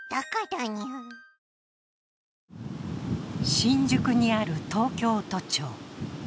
新宿にある東京都庁。